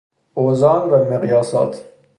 اوزان و مقیاسات